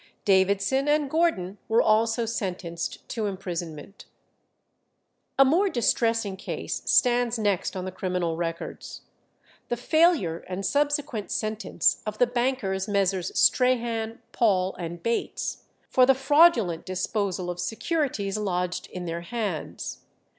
Davidson and Gordon were also sentenced to imprisonment. A more distressing case stands next on the criminal records the failure and subsequent sentence of the bankers Messrs. Strahan, Paul, and Bates, for the fraudulent disposal of securities lodged in their hands.